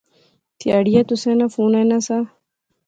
تہاڑیا تسیں ناں فون ایناں سا